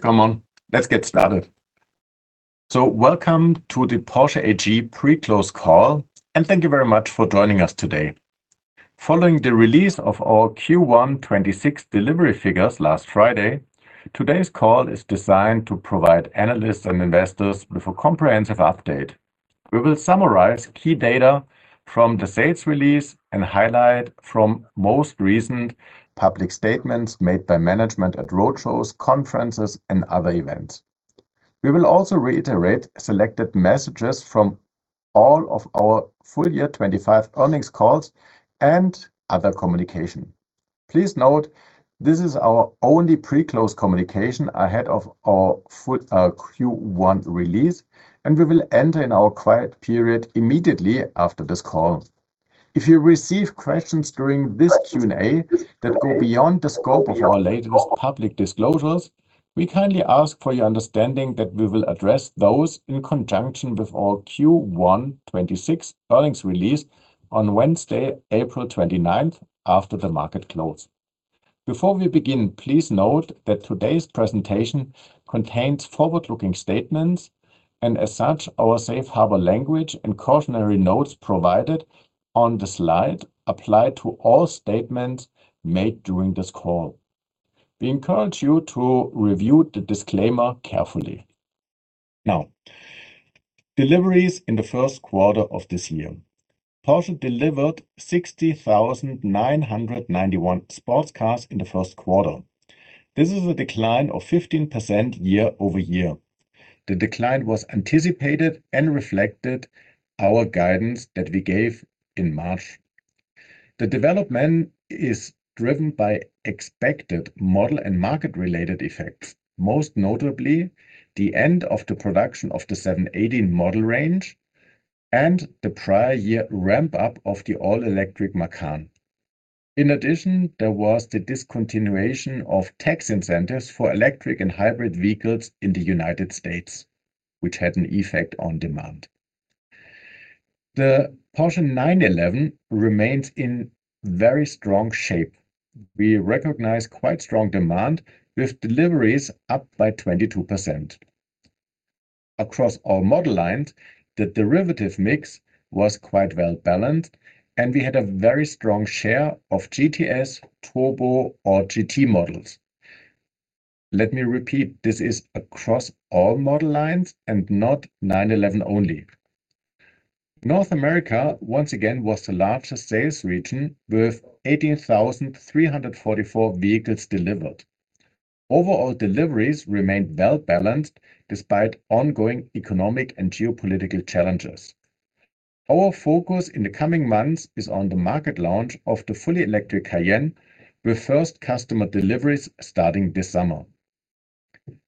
Come on, let's get started. Welcome to the Porsche AG pre-close call, and thank you very much for joining us today. Following the release of our Q1 2026 delivery figures last Friday, today's call is designed to provide analysts and investors with a comprehensive update. We will summarize key data from the sales release and highlight from most recent public statements made by management at road shows, conferences, and other events. We will also reiterate selected messages from all of our full year 2025 earnings calls and other communication. Please note, this is our only pre-close communication ahead of our full Q1 release, and we will enter in our quiet period immediately after this call. If you receive questions during this Q&A that go beyond the scope of our latest public disclosures, we kindly ask for your understanding that we will address those in conjunction with our Q1 2026 earnings release on Wednesday, April 29th, after the market close. Before we begin, please note that today's presentation contains forward-looking statements, and as such, our safe harbor language and cautionary notes provided on the slide apply to all statements made during this call. We encourage you to review the disclaimer carefully. Now, deliveries in the first quarter of this year, Porsche delivered 60,991 sports cars in the first quarter. This is a decline of 15% year-over-year. The decline was anticipated and reflected our guidance that we gave in March. The development is driven by expected model and market-related effects, most notably the end of the production of the 718 model range and the prior year ramp-up of the all-electric Macan. In addition, there was the discontinuation of tax incentives for electric and hybrid vehicles in the United States, which had an effect on demand. The Porsche 911 remains in very strong shape. We recognize quite strong demand with deliveries up by 22%. Across all model lines, the derivative mix was quite well-balanced, and we had a very strong share of GTS, Turbo, or GT models. Let me repeat, this is across all model lines and not 911 only. North America, once again, was the largest sales region with 18,344 vehicles delivered. Overall, deliveries remained well-balanced despite ongoing economic and geopolitical challenges. Our focus in the coming months is on the market launch of the fully electric Cayenne, with first customer deliveries starting this summer.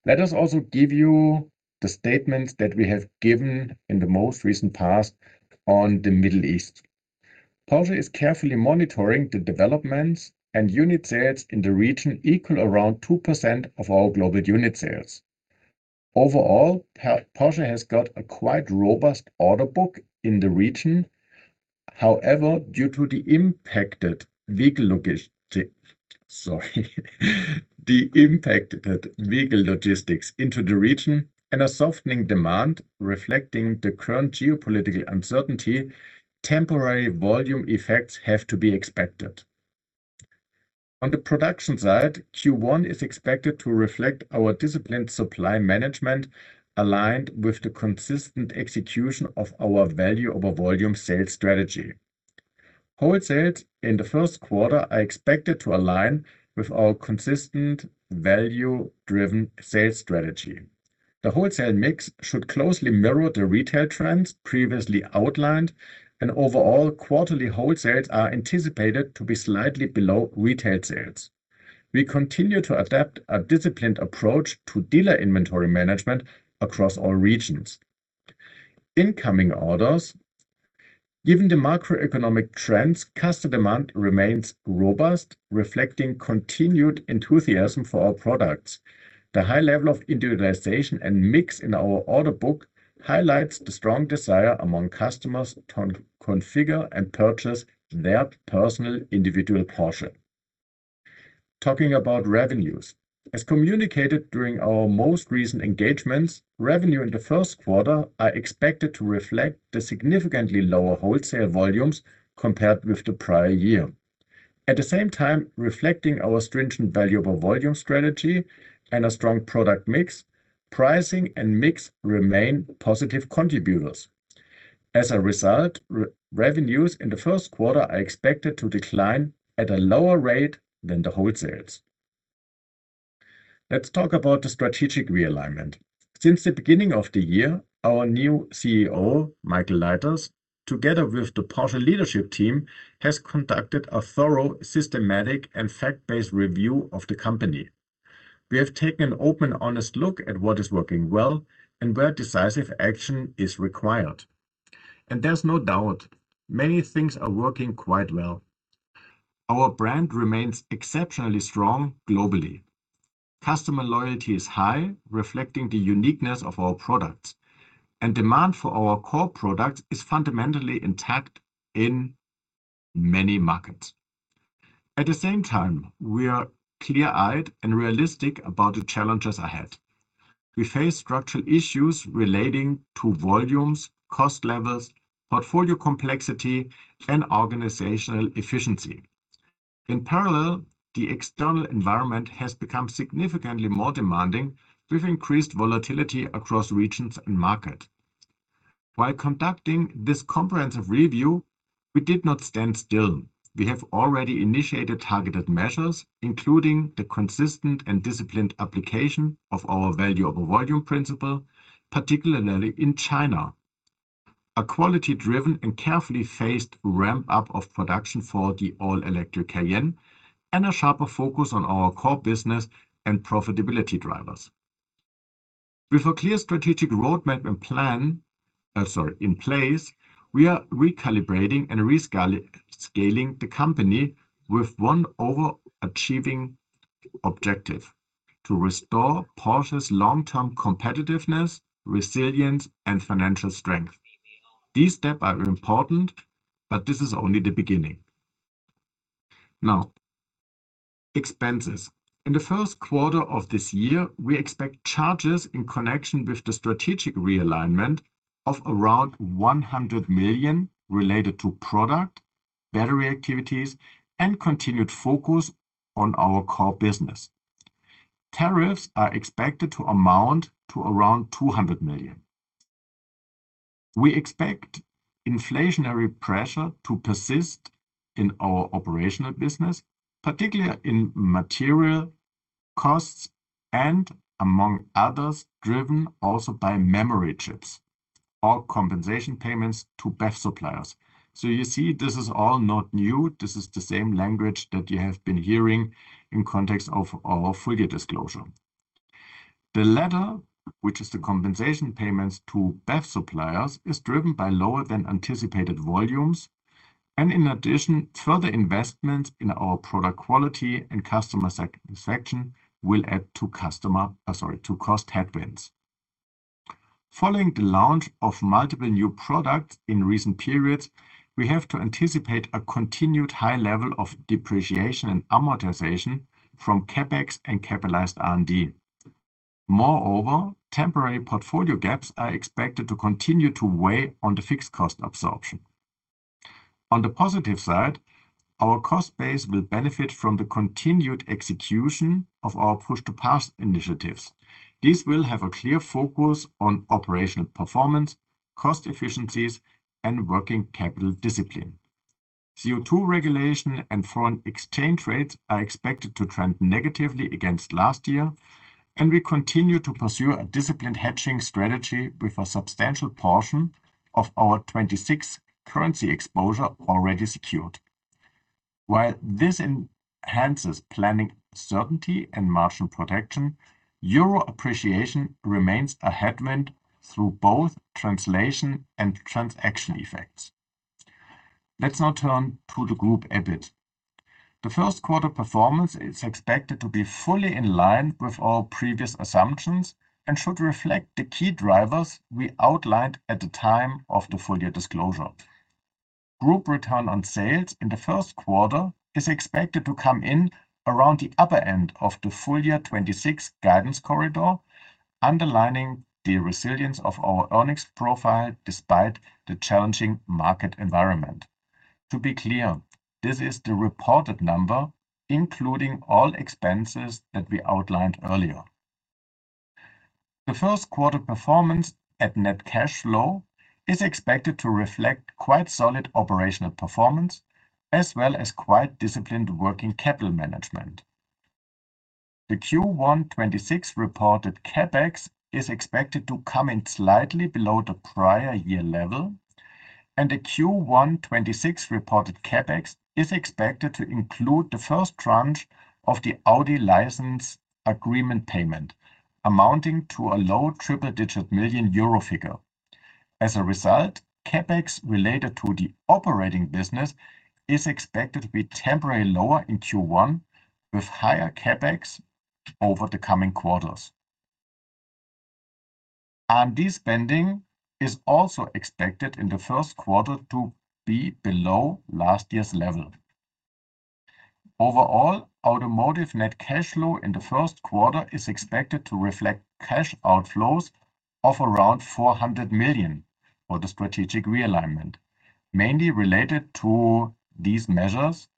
Let us also give you the statements that we have given in the most recent past on the Middle East. Porsche is carefully monitoring the developments, and unit sales in the region equal around 2% of all global unit sales. Overall, Porsche has got a quite robust order book in the region. However, due to the impacted vehicle logistics into the region and a softening demand reflecting the current geopolitical uncertainty, temporary volume effects have to be expected. On the production side, Q1 is expected to reflect our disciplined supply management, aligned with the consistent execution of our value over volume sales strategy. Wholesale in the first quarter are expected to align with our consistent, value-driven sales strategy. The wholesale mix should closely mirror the retail trends previously outlined, and overall, quarterly wholesales are anticipated to be slightly below retail sales. We continue to adopt a disciplined approach to dealer inventory management across all regions. Incoming orders; given the macroeconomic trends, customer demand remains robust, reflecting continued enthusiasm for our products. The high level of individualization and mix in our order book highlights the strong desire among customers to configure and purchase their personal individual Porsche. Talking about revenues. As communicated during our most recent engagements, revenues in the first quarter are expected to reflect the significantly lower wholesale volumes compared with the prior year. At the same time, reflecting our stringent value over volume strategy and a strong product mix, pricing and mix remain positive contributors. As a result, revenues in the first quarter are expected to decline at a lower rate than the wholesales. Let's talk about the strategic realignment. Since the beginning of the year, our new CEO, Michael Leiters, together with the Porsche leadership team, has conducted a thorough, systematic, and fact-based review of the company. We have taken an open, honest look at what is working well and where decisive action is required. There's no doubt, many things are working quite well. Our brand remains exceptionally strong globally. Customer loyalty is high, reflecting the uniqueness of our products, and demand for our core products is fundamentally intact in many markets. At the same time, we are clear-eyed and realistic about the challenges ahead. We face structural issues relating to volumes, cost levels, portfolio complexity, and organizational efficiency. In parallel, the external environment has become significantly more demanding, with increased volatility across regions and markets. While conducting this comprehensive review, we did not stand still. We have already initiated targeted measures, including the consistent and disciplined application of our value over volume principle, particularly in China, a quality-driven and carefully phased ramp-up of production for the all-electric Cayenne, and a sharper focus on our core business and profitability drivers. With a clear strategic roadmap in place, we are recalibrating and rescaling the company with one overarching objective to restore Porsche's long-term competitiveness, resilience, and financial strength. These steps are important, but this is only the beginning. Now, expenses. In the first quarter of this year, we expect charges in connection with the strategic realignment of around 100 million related to product, battery activities, and continued focus on our core business. Tariffs are expected to amount to around 200 million. We expect inflationary pressure to persist in our operational business, particularly in material costs and among others, driven also by memory chips or compensation payments to BEV suppliers. You see, this is all not new. This is the same language that you have been hearing in context of our full-year disclosure. The latter, which is the compensation payments to BEV suppliers, is driven by lower than anticipated volumes. In addition, further investment in our product quality and customer satisfaction will add to cost headwinds. Following the launch of multiple new products in recent periods, we have to anticipate a continued high level of depreciation and amortization from CapEx and capitalized R&D. Moreover, temporary portfolio gaps are expected to continue to weigh on the fixed cost absorption. On the positive side, our cost base will benefit from the continued execution of our Push-to-Pass initiatives. These will have a clear focus on operational performance, cost efficiencies, and working capital discipline. CO2 regulation and foreign exchange rates are expected to trend negatively against last year, and we continue to pursue a disciplined hedging strategy with a substantial portion of our 2026 currency exposure already secured. While this enhances planning certainty and margin protection, euro appreciation remains a headwind through both translation and transaction effects. Let's now turn to the Group EBIT. The first quarter performance is expected to be fully in line with all previous assumptions and should reflect the key drivers we outlined at the time of the full-year disclosure. Group return on sales in the first quarter is expected to come in around the upper end of the full-year 2026 guidance corridor, underlining the resilience of our earnings profile despite the challenging market environment. To be clear, this is the reported number, including all expenses that we outlined earlier. The first quarter performance at net cash flow is expected to reflect quite solid operational performance, as well as quite disciplined working capital management. The Q1 2026 reported CapEx is expected to come in slightly below the prior year level, and the Q1 2026 reported CapEx is expected to include the first tranche of the Audi license agreement payment, amounting to a low triple-digit million euro figure. As a result, CapEx related to the operating business is expected to be temporarily lower in Q1, with higher CapEx over the coming quarters. R&D spending is also expected in the first quarter to be below last year's level. Overall, automotive net cash flow in the first quarter is expected to reflect cash outflows of around 400 million for the strategic realignment, mainly related to these measures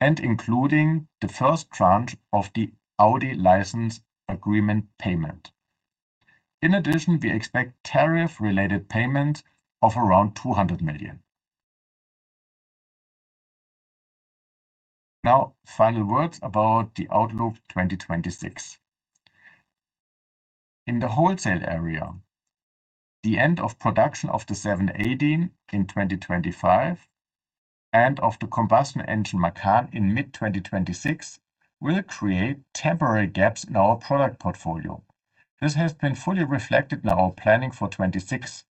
and including the first tranche of the Audi license agreement payment. In addition, we expect tariff-related payments of around EUR 200 million. Now, final words about the Outlook 2026. In the wholesale area, the end of production of the 718 in 2025 and of the combustion engine Macan in mid-2026 will create temporary gaps in our product portfolio. This has been fully reflected in our planning for 2026,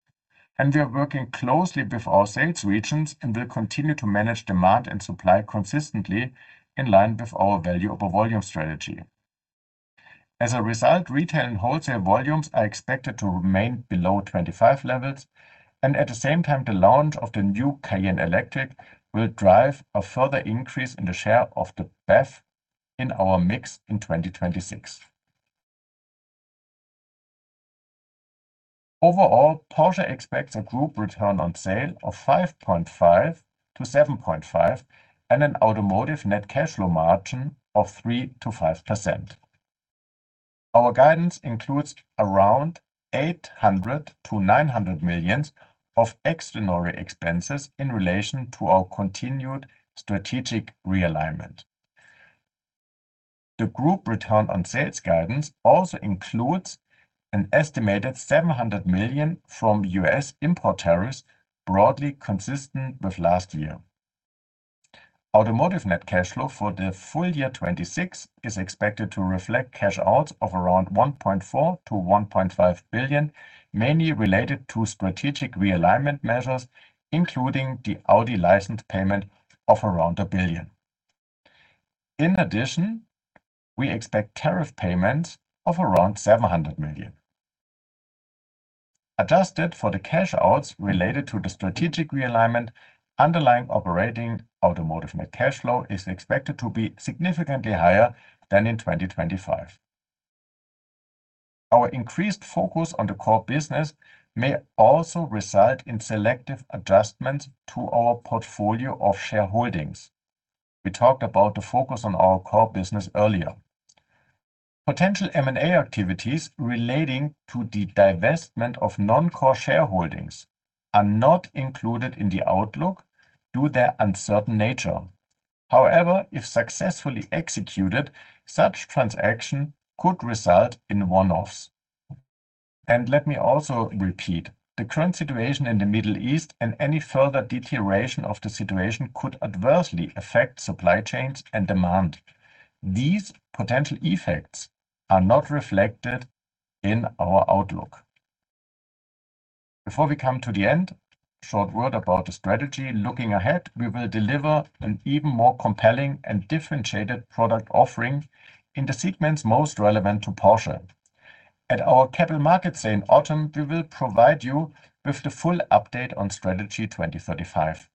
and we are working closely with our sales regions and will continue to manage demand and supply consistently in line with our value over volume strategy. As a result, retail and wholesale volumes are expected to remain below 2025 levels and at the same time, the launch of the new Cayenne Electric will drive a further increase in the share of the BEV in our mix in 2026. Overall, Porsche expects a Group Return on Sales of 5.5%-7.5% and an Automotive Net Cash Flow Margin of 3%-5%. Our guidance includes around 800 million-900 million of extraordinary expenses in relation to our continued strategic realignment. The Group Return on Sales guidance also includes an estimated 700 million from U.S. import tariffs, broadly consistent with last year. Automotive net cash flow for the full year 2026 is expected to reflect cash outs of around 1.4 billion-1.5 billion, mainly related to strategic realignment measures, including the Audi license payment of around a billion. In addition, we expect tariff payments of around 700 million. Adjusted for the cash outs related to the strategic realignment, underlying operating automotive net cash flow is expected to be significantly higher than in 2025. Our increased focus on the core business may also result in selective adjustments to our portfolio of shareholdings. We talked about the focus on our core business earlier. Potential M&A activities relating to the divestment of non-core shareholdings are not included in the outlook, due to their uncertain nature. However, if successfully executed, such transaction could result in one-offs. Let me also repeat, the current situation in the Middle East and any further deterioration of the situation could adversely affect supply chains and demand. These potential effects are not reflected in our outlook. Before we come to the end, a short word about the strategy. Looking ahead, we will deliver an even more compelling and differentiated product offering in the segments most relevant to Porsche. At our Capital Markets Day in autumn, we will provide you with the full update on Strategy 2035.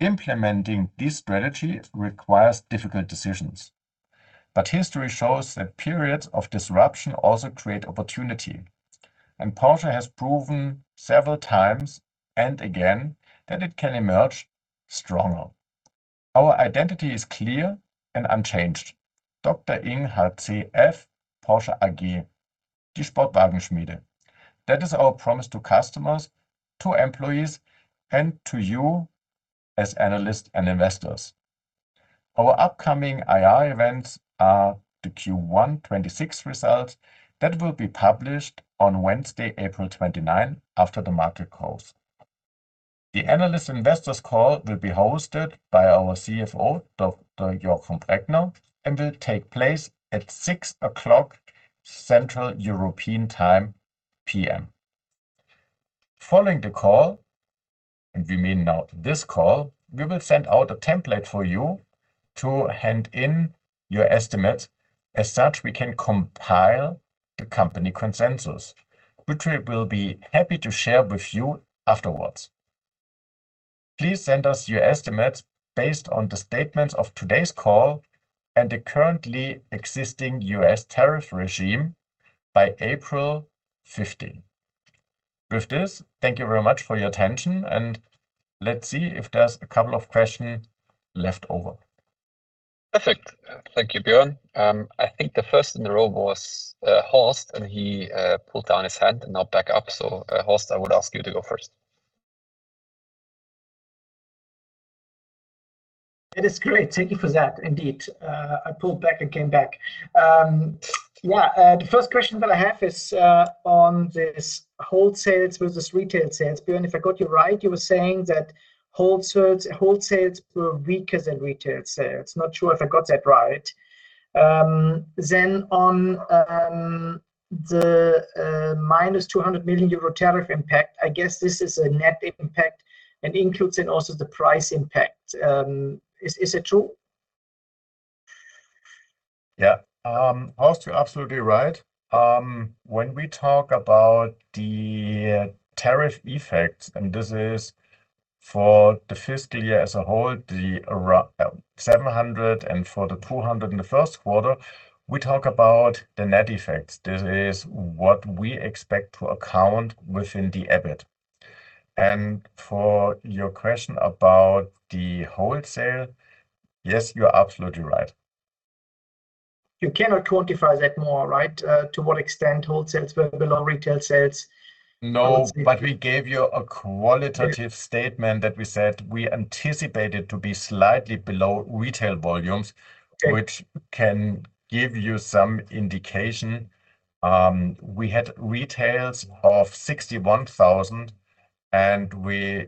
Implementing this strategy requires difficult decisions, but history shows that periods of disruption also create opportunity, and Porsche has proven several times, and again, that it can emerge stronger. Our identity is clear and unchanged. Dr. Ing. h.c. F. Porsche AG, Die Sportwagenschmiede. That is our promise to customers, to employees, and to you as analysts and investors. Our upcoming IR events are the Q1 2026 results that will be published on Wednesday, April 29, after the market close. The analyst/investors call will be hosted by our CFO, Dr. Jochen Breckner, and will take place at 6:00 Central European Time P.M. Following the call, and we mean now this call, we will send out a template for you to hand in your estimates. As such, we can compile the company consensus, which we will be happy to share with you afterwards. Please send us your estimates based on the statements of today's call and the currently existing U.S. tariff regime by April 15. With this, thank you very much for your attention and let's see if there's a couple of questions left over. Perfect. Thank you, Björn. I think the first in the row was Horst, and he put down his hand and now back up. Horst, I would ask you to go first. It is great. Thank you for that. Indeed, I pulled back and came back. The first question that I have is on this wholesales versus retail sales. Björn, if I got you right, you were saying that wholesales were weaker than retail sales. Not sure if I got that right. On the -200 million euro tariff impact, I guess this is a net impact and includes in also the price impact. Is it true? Yeah. Horst, you're absolutely right. When we talk about the tariff effects, and this is for the fiscal year as a whole, the 700 million and for the 200 million in the first quarter, we talk about the net effects. This is what we expect to account within the EBIT. For your question about the wholesale, yes, you are absolutely right. You cannot quantify that more, right, to what extent wholesales were below retail sales? No, but we gave you a qualitative statement that we said we anticipated to be slightly below retail volumes which can give you some indication. We had retails of 61,000, and we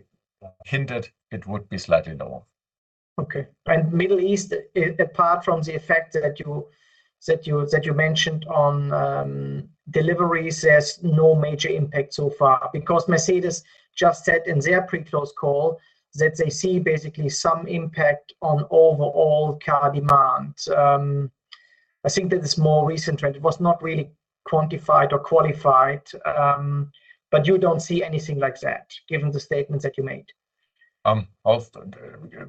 hinted it would be slightly lower. Okay. Middle East, apart from the effect that you mentioned on deliveries, has no major impact so far, because Mercedes just said in their pre-close call that they see basically some impact on overall car demand. I think that is a more recent trend. It was not really quantified or qualified, but you don't see anything like that, given the statements that you made.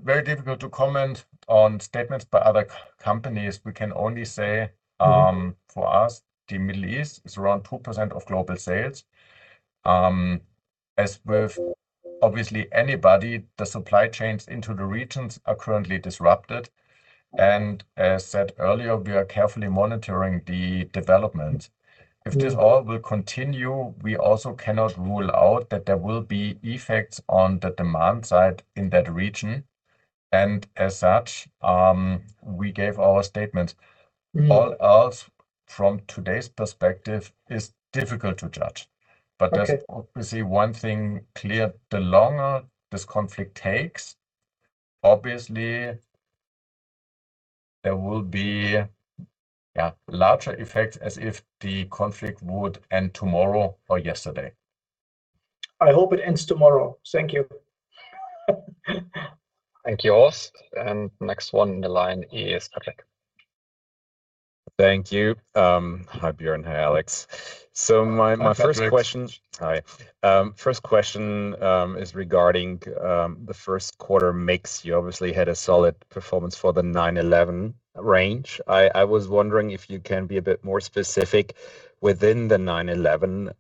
Very difficult to comment on statements by other companies. We can only say, for us, the Middle East is around 2% of global sales. As with obviously anybody, the supply chains into the regions are currently disrupted. As said earlier, we are carefully monitoring the development. If this all will continue, we also cannot rule out that there will be effects on the demand side in that region. As such, we gave our statements. All else from today's perspective is difficult to judge. Okay. There's obviously one thing clear. The longer this conflict takes, obviously there will be larger effects as if the conflict would end tomorrow or yesterday. I hope it ends tomorrow. Thank you. Thank you, Horst. Next one in the line is Patrick. Thank you. Hi, Björn. Hey, Alex. Hi, Patrick. Hi. First question is regarding the first quarter mix. You obviously had a solid performance for the 911 range. I was wondering if you can be a bit more specific within the 911,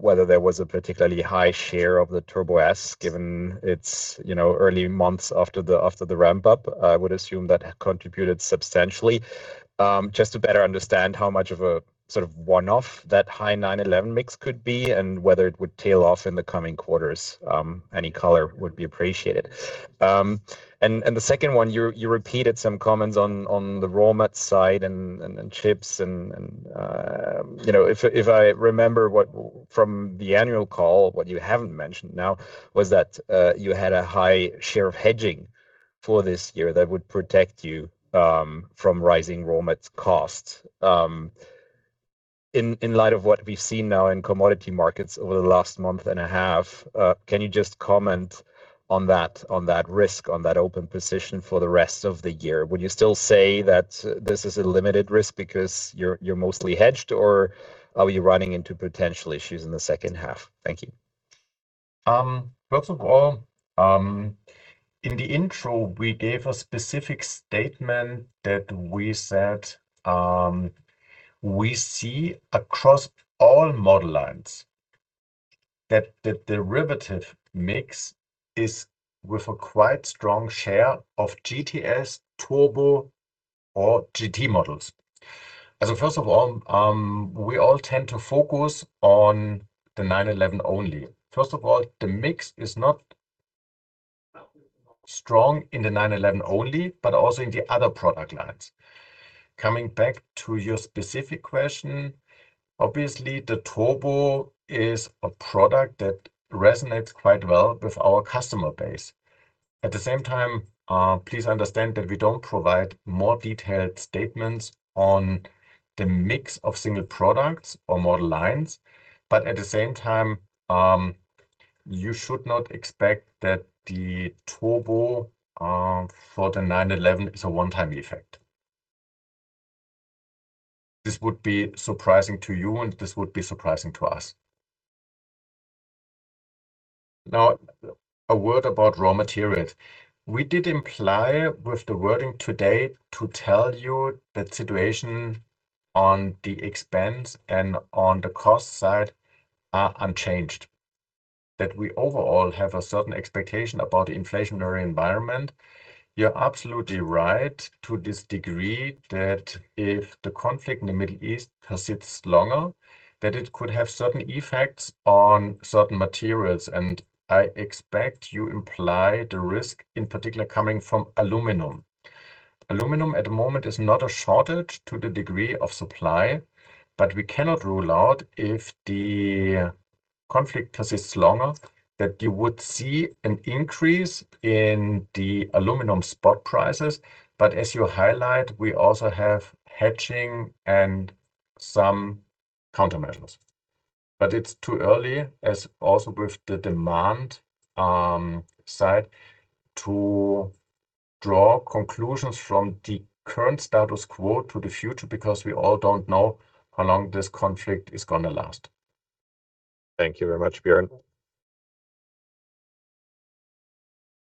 whether there was a particularly high share of the Turbo S, given its early months after the ramp-up, I would assume that contributed substantially. Just to better understand how much of a sort of one-off that high 911 mix could be, and whether it would tail off in the coming quarters. Any color would be appreciated. The second one, you repeated some comments on the raw material side and chips. If I remember from the annual call, what you haven't mentioned now was that you had a high share of hedging for this year that would protect you from rising raw materials costs. In light of what we've seen now in commodity markets over the last month and a half, can you just comment on that risk, on that open position for the rest of the year? Would you still say that this is a limited risk because you're mostly hedged, or are we running into potential issues in the second half? Thank you. First of all, in the intro, we gave a specific statement that we said, we see across all model lines that the derivative mix is with a quite strong share of GTS, Turbo, or GT models. First of all, we all tend to focus on the 911 only. First of all, the mix is not strong in the 911 only, but also in the other product lines. Coming back to your specific question, obviously, the Turbo is a product that resonates quite well with our customer base. At the same time, please understand that we don't provide more detailed statements on the mix of single products or model lines. At the same time, you should not expect that the Turbo for the 911 is a one-time effect. This would be surprising to you, and this would be surprising to us. Now, a word about raw materials. We did imply with the wording today to tell you that situation on the expense and on the cost side are unchanged, that we overall have a certain expectation about the inflationary environment. You're absolutely right to this degree that if the conflict in the Middle East persists longer, that it could have certain effects on certain materials, and I expect you imply the risk, in particular, coming from aluminum. Aluminum at the moment is not a shortage to the degree of supply, but we cannot rule out if the conflict persists longer, that you would see an increase in the aluminum spot prices. As you highlight, we also have hedging and some countermeasures. It's too early, as also with the demand side, to draw conclusions from the current status quo to the future because we all don't know how long this conflict is going to last. Thank you very much, Björn.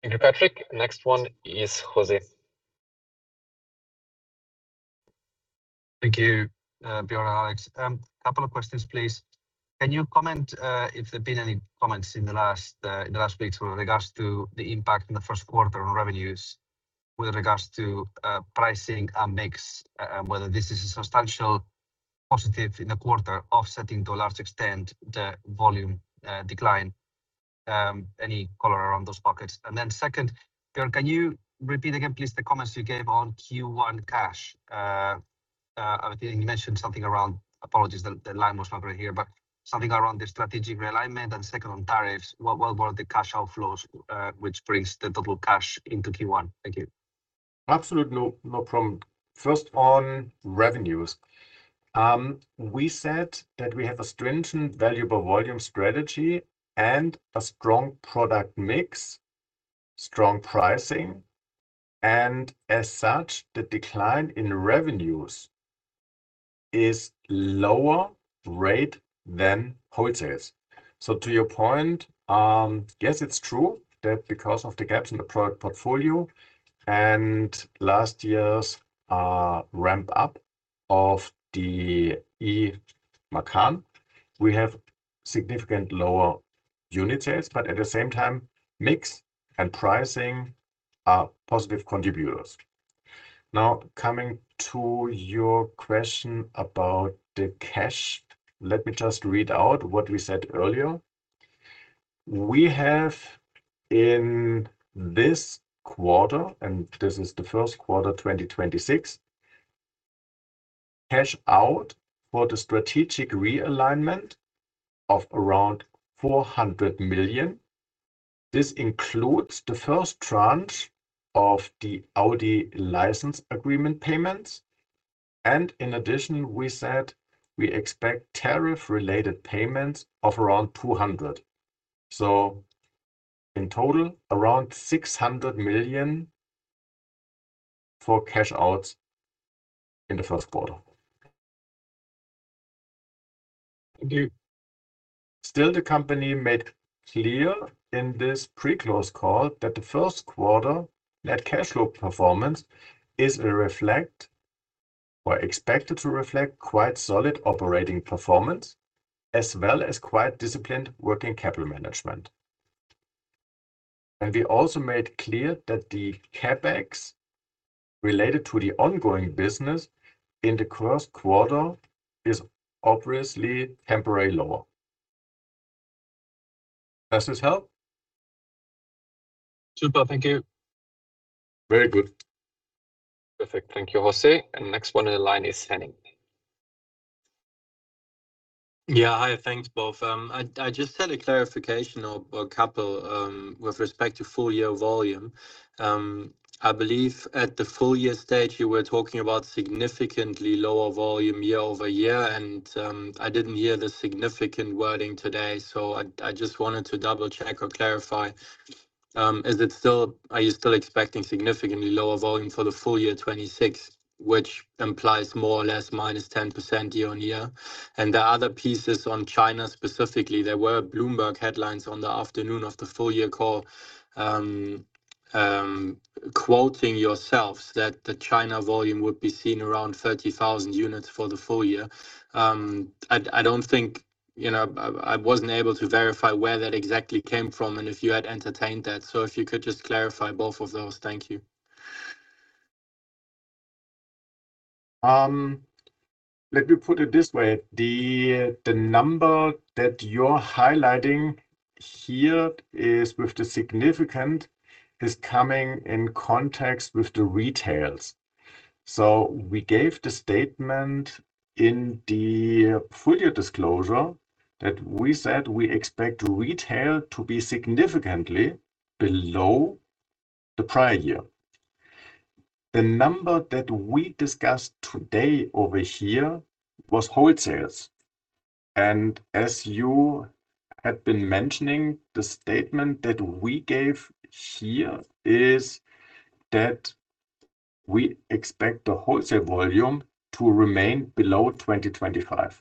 Thank you, Patrick. Next one is Jose. Thank you, Björn and Alex. A couple of questions, please. Can you comment if there have been any comments in the last weeks with regards to the impact in the first quarter on revenues with regards to pricing and mix, and whether this is a substantial positive in the quarter offsetting to a large extent the volume decline? Any color around those pockets? Second, Björn, can you repeat again, please, the comments you gave on Q1 cash? I think you mentioned something around, apologies, the line was not clear here, but something around the strategic realignment and second, on tariffs, what were the cash outflows, which brings the total cash into Q1? Thank you. Absolutely, no problem. First, on revenues, we said that we have a stringent value over volume strategy and a strong product mix, strong pricing, and as such, the decline in revenues is lower rate than wholesales. To your point, yes, it's true that because of the gaps in the product portfolio and last year's ramp up of the E Macan, we have significant lower unit sales. At the same time, mix and pricing are positive contributors. Now, coming to your question about the cash, let me just read out what we said earlier. We have in this quarter, and this is the first quarter 2026, cash out for the strategic realignment of around 400 million. This includes the first tranche of the Audi license agreement payments. In addition, we said we expect tariff-related payments of around 200 million. In total, around 600 million for cash outs in the first quarter. Thank you. Still, the company made clear in this pre-close call that the first quarter net cash flow performance is expected to reflect quite solid operating performance, as well as quite disciplined working capital management. We also made clear that the CapEx related to the ongoing business in the first quarter is obviously temporary lower. Does this help? Super. Thank you. Very good. Perfect. Thank you, Jose. Next one in the line is Henning. Hi. Thanks both. I just had a clarification or a couple with respect to full-year volume. I believe at the full-year stage, you were talking about significantly lower volume year-over-year, and I didn't hear the significant wording today, so I just wanted to double-check or clarify. Are you still expecting significantly lower volume for the full year 2026, which implies more or less -10% year-over-year? There are other pieces on China specifically. There were Bloomberg headlines on the afternoon of the full-year call, quoting yourselves that the China volume would be seen around 30,000 units for the full year. I wasn't able to verify where that exactly came from and if you had entertained that, so if you could just clarify both of those. Thank you. Let me put it this way. The number that you're highlighting here is coming in context with the retails. We gave the statement in the full year disclosure that we said we expect retail to be significantly below the prior year. The number that we discussed today over here was wholesales, and as you had been mentioning, the statement that we gave here is that we expect the wholesale volume to remain below 2025.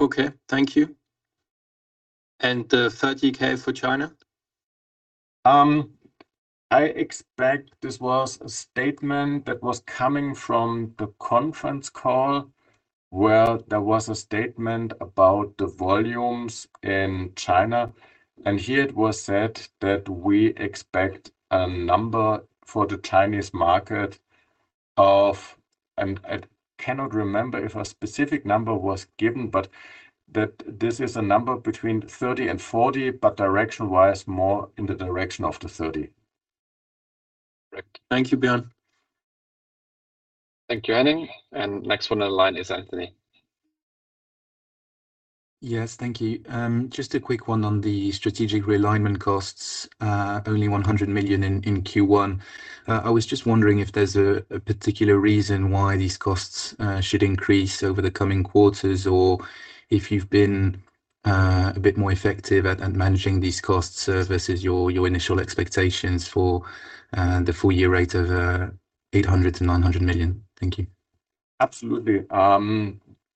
Okay. Thank you. And the 30,000 for China? I expect this was a statement that was coming from the conference call where there was a statement about the volumes in China. Here it was said that we expect a number for the Chinese market of, I cannot remember if a specific number was given. This is a number between 30 and 40, but direction-wise, more in the direction of the 30. Thank you, Björn. Thank you, Henning. Next one in line is Anthony. Yes. Thank you. Just a quick one on the strategic realignment costs, only 100 million in Q1. I was just wondering if there's a particular reason why these costs should increase over the coming quarters, or if you've been a bit more effective at managing these costs versus your initial expectations for the full year rate of 800 million-900 million? Thank you. Absolutely.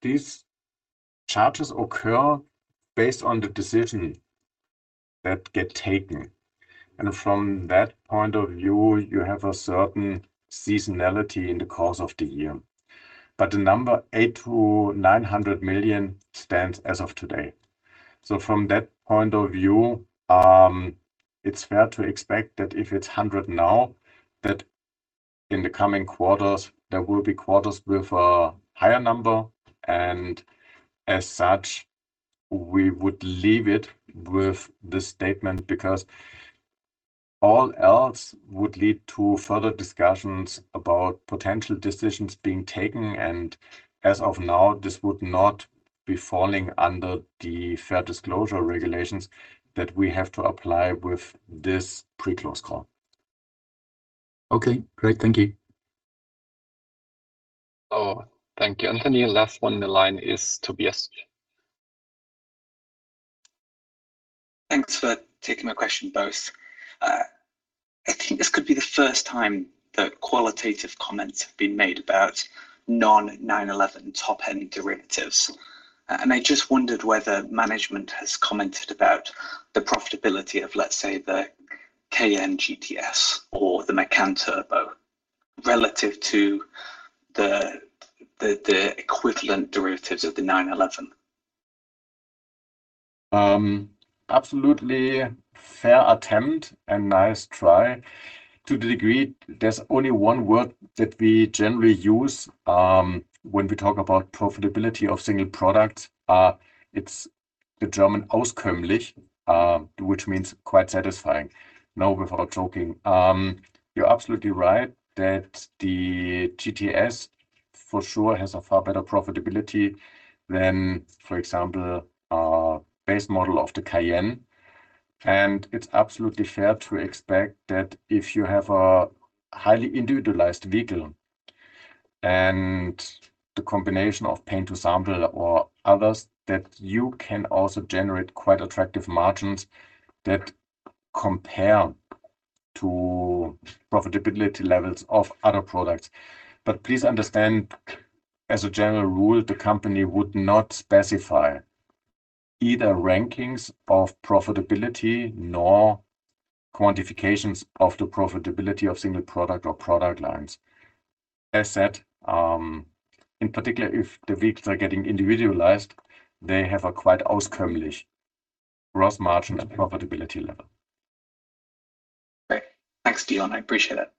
These charges occur based on the decision that get taken, and from that point of view, you have a certain seasonality in the course of the year, but the number 800 million-900 million stands as of today. From that point of view, it's fair to expect that if it's 100 million now, that in the coming quarters, there will be quarters with a higher number, and as such, we would leave it with this statement because all else would lead to further discussions about potential decisions being taken, and as of now, this would not be falling under the fair disclosure regulations that we have to apply with this pre-close call. Okay, great. Thank you. Thank you, Anthony. Last one in the line is [Tim Rokossa]. Thanks for taking my question, both. I think this could be the first time that qualitative comments have been made about non-911 top-end derivatives, and I just wondered whether management has commented about the profitability of, let's say, the Cayenne GTS or the Macan Turbo, relative to the equivalent derivatives of the 911? Absolutely fair attempt and nice try. To the degree, there's only one word that we generally use when we talk about profitability of single products. It's the German auskömmlich, which means quite satisfying. No, without joking, you're absolutely right that the GTS for sure has a far better profitability than, for example, base model of the Cayenne. It's absolutely fair to expect that if you have a highly individualized vehicle and the combination of Paint to Sample or others, that you can also generate quite attractive margins that compare to profitability levels of other products. Please understand, as a general rule, the company would not specify either rankings of profitability nor quantifications of the profitability of single product or product lines. As said, in particular, if the vehicles are getting individualized, they have a quite auskömmlich gross margin profitability level. Great. Thanks, Björn. I appreciate it.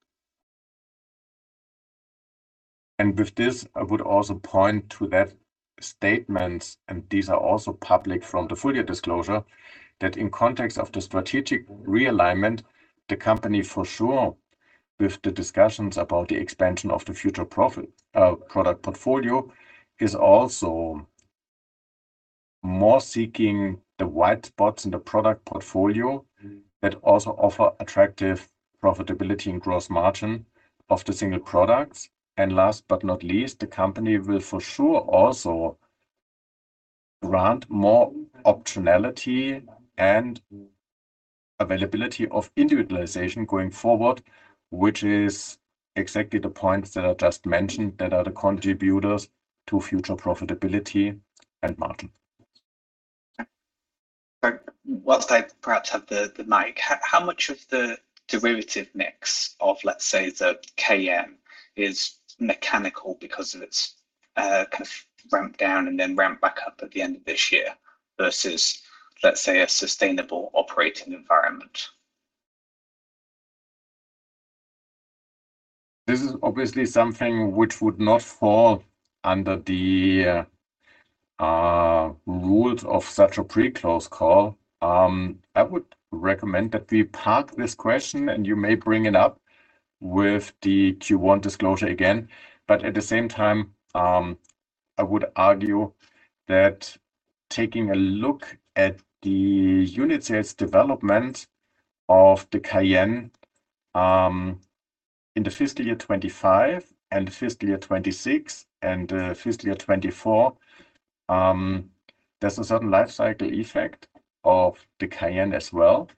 With this, I would also point to that statements, and these are also public from the full-year disclosure, that in context of the strategic realignment, the company for sure, with the discussions about the expansion of the future product portfolio, is also more seeking the white spots in the product portfolio that also offer attractive profitability and gross margin of the single products. Last but not least, the company will for sure also grant more optionality and availability of individualization going forward, which is exactly the points that I just mentioned that are the contributors to future profitability and margin. Whilst I perhaps have the mic, how much of the derivative mix of, let's say, the Cayenne is mechanical because of its kind of ramp down and then ramp back up at the end of this year, versus, let's say, a sustainable operating environment? This is obviously something which would not fall under the rules of such a pre-close call. I would recommend that we park this question, and you may bring it up with the Q1 disclosure again. At the same time, I would argue that taking a look at the unit sales development of the Cayenne, in the fiscal year 2025 and fiscal year 2026 and fiscal year 2024, there's a certain life cycle effect of the Cayenne as well.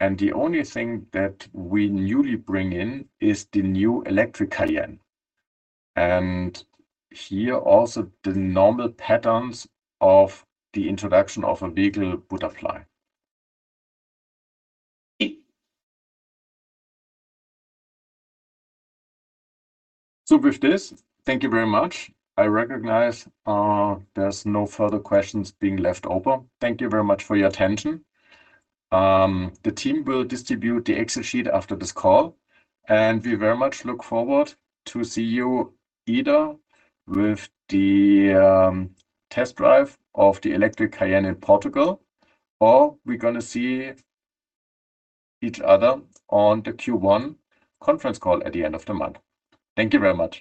The only thing that we newly bring in is the new electric Cayenne. Here also, the normal patterns of the introduction of a vehicle would apply. With this, thank you very much. I recognize there's no further questions being left open. Thank you very much for your attention. The team will distribute the Excel sheet after this call, and we very much look forward to see you either with the test drive of the electric Cayenne in Portugal, or we're going to see each other on the Q1 conference call at the end of the month. Thank you very much.